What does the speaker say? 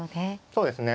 そうですね。